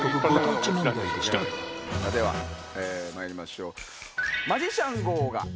ではまいりましょう。